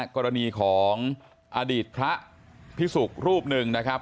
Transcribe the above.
กรณีของอดิษฐพระพิศุครูปนึงนะครับ